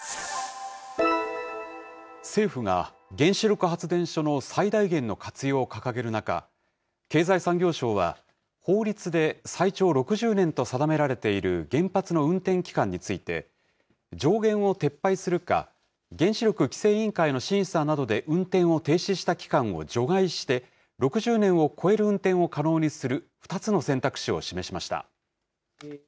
政府が原子力発電所の最大限の活用を掲げる中、経済産業省は、法律で最長６０年と定められている原発の運転期間について、上限を撤廃するか、原子力規制委員会の審査などで運転を停止した期間を除外して、６０年を超える運転を可能にする２つの選択肢を示しました。